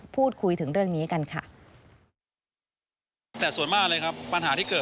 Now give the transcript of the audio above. พูดคุยถึงเรื่องนี้กันค่ะ